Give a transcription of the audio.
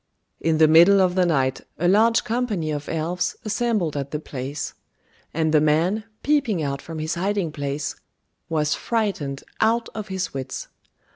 In the middle of the night, a large company of elves assembled at the place; and the man, peeping out from his hiding place, was frightened out of his wits.